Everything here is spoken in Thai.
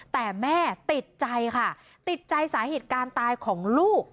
แต่แม่ติดใจค่ะติดใจสาเหตุการณ์ตายของลูก